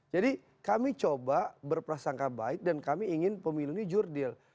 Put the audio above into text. jadi kami coba berprasangka baik dan kami ingin pemilu ini jurdil